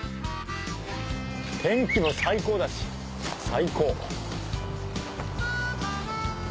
天気も最高だし最高！